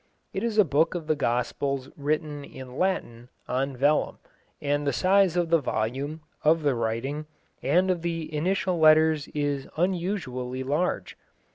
It is a book of the Gospels written (in Latin) on vellum, and the size of the volume, of the writing, and of the initial letters is unusually large.